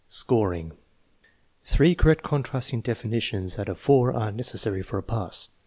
Scoring. Three correct contrasting definitions out of four are necessary for a pass.